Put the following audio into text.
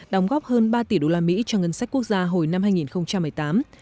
đóng góp hơn ba tỷ đô la mỹ cho ngân sách quốc gia hồi năm hai nghìn một mươi tám